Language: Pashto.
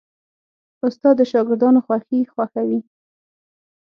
استاد د شاګردانو خوښي خوښوي.